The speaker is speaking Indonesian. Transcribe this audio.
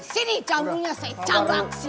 sini jambulnya saya cabang